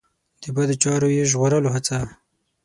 د بدو چارو یې ژغورلو هڅه.